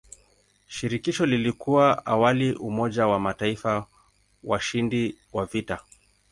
Shirikisho lilikuwa awali umoja wa mataifa washindi wa vita.